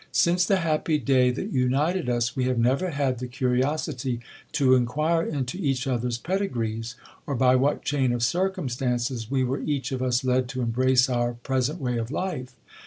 Since the happy day that united us we have never had the curiosity to inquire into each other's pedigrees, or by what chain of circumstances we were each of us led to embrace our pre sent way of life.